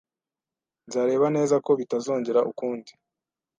Nzareba neza ko bitazongera ukundi